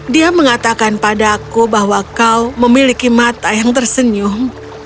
dia mengatakan padaku bahwa kau memiliki mata yang tersenyum